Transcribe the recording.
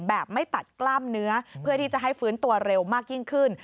แบบไม่ตัดกล้ามเนื้อเพื่อที่จะให้ฟื้นตัวเร็วมากยิ่งขึ้น